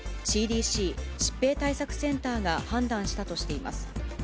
ＣＤＣ・疾病対策センターが判断したとしています。